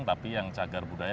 tapi yang cagar budaya